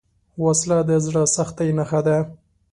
وسله د زړه سختۍ نښه ده